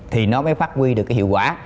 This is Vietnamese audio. thì nó mới phát huy được cái hiệu quả